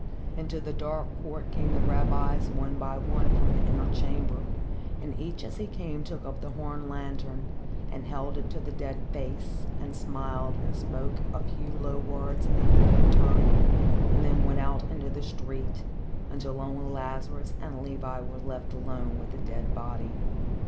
Into the dark court came the rabbis one by one from the inner chamber, and each as he came took up the horn lantern and held it to the dead face and smiled and spoke a few low words in the Hebrew tongue and then went out into the street, until only Lazarus and Levi were left alone with the dead body.